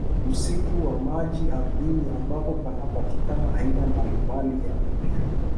Msitu wa maji ardhini ambapo panapatikana aina mbalimbali ya mimea